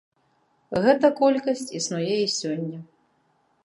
Гэта колькасць існуе і сёння.